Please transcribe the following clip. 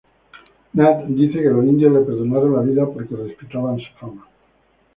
Nat dice que los indios le perdonaron la vida porque respetaban su fama.